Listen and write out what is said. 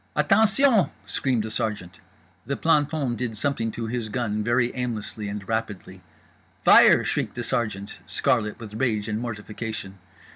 "Attention!" screamed the sergeant. The planton did something to his gun very aimlessly and rapidly. "FIRE!" shrieked the sergeant, scarlet with rage and mortification.